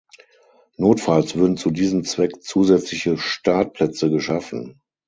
Notfalls würden zu diesem Zweck zusätzliche Startplätze geschaffen.